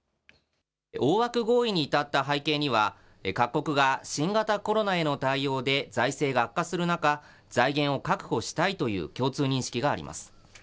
大枠合意に至った背景には、各国が新型コロナへの対応で、財政が悪化する中、財源を確保したいという共通認識があります。